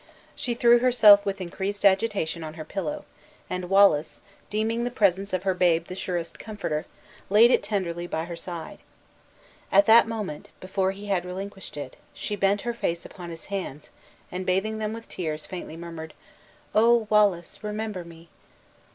She threw herself with increased agitation on her pillow, and Wallace, deeming the presence of her babe the surest comforter, laid it tenderly by her side. At that moment, before he had relinquished it, she bent her face upon his hands, and bathing them with tears, faintly murmured, "Oh! Wallace, remember me!"